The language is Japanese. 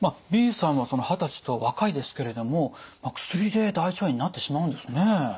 Ｂさんは二十歳と若いですけれども薬で大腸炎になってしまうんですね。